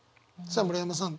さあ村山さん